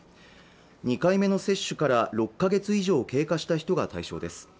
２回目の接種から６か月以上経過した人が対象です